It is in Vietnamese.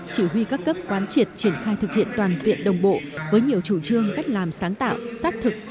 chỉ huy các cấp quán triệt triển khai thực hiện toàn diện đồng bộ với nhiều chủ trương cách làm sáng tạo xác thực